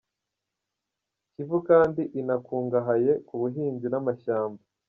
Kivu kandi inakungahaye ku buhinzi n’amashyamba.